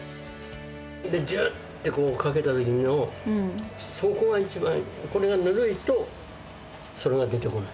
じゅっとこう、かけたときの、そこが一番、これがぬるいと、それが出てこない。